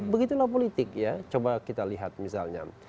begitulah politik ya coba kita lihat misalnya